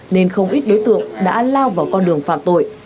nên không ít đối tượng đã lao vào con đường phạm tội